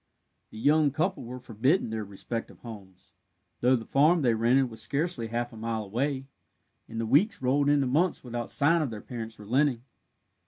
The young couple were forbidden their respective homes, though the farm they rented was scarce half a mile away, and the weeks rolled into months without sign of their parents relenting.